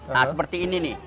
nah seperti ini nih